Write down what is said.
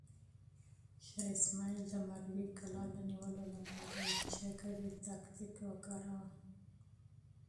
شاه اسماعیل د مروې کلا د نیولو لپاره جنګي تاکتیک وکاراوه.